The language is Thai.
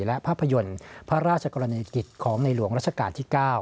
และภาพยนตร์พระราชกรณีกิจของในหลวงรัชกาลที่๙